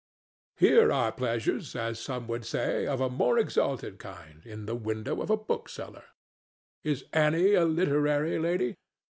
Here are pleasures, as some people would say, of a more exalted kind, in the window of a bookseller. Is Annie a literary lady?